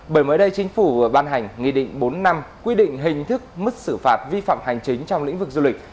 bởi mới đây chính phủ ban hành nghị định bốn năm quy định hình thức mức xử phạt vi phạm hành chính trong lĩnh vực du lịch